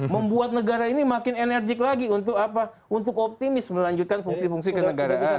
membuat negara ini makin enerjik lagi untuk optimis melanjutkan fungsi fungsi kenegaraan